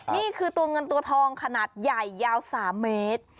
นี่คือตัวเงินตัวทองขนาดใหญ่ยาว๓เมตร